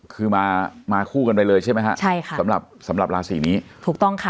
คือมามาคู่กันไปเลยใช่ไหมฮะใช่ค่ะสำหรับสำหรับราศีนี้ถูกต้องค่ะ